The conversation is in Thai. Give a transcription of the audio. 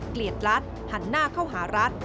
เกลียดรัฐหันหน้าเข้าหารัฐ